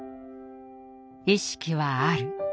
「意識はある。